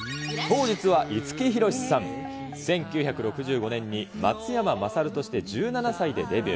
実は五木ひろしさん、１９６５年に、松山まさるとして１７歳でデビュー。